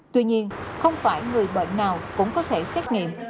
tuy nhiên không phải người bệnh nào cũng có thể xét nghiệm